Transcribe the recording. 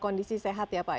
kondisi sehat ya pak